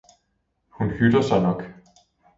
»hun hytter sig nok!